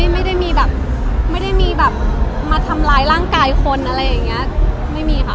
ไม่ได้มีแบบมาทำร้ายร่างไกลคนอะไรอย่างนี้ไม่มีค่ะ